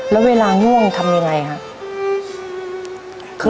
แล้วเวลาง่วงทำยังไงครับ